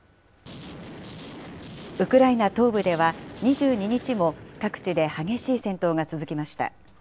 ウクライナ東部では、２２日も各地で激しい戦闘が続きました。